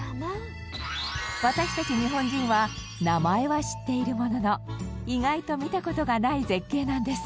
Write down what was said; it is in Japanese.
私たち日本人は名前は知っているものの意外と見た事がない絶景なんです。